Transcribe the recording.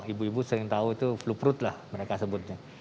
ibu ibu sering tahu itu flu perut lah mereka sebutnya